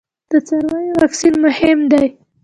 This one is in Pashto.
د څارویو واکسین مهم دی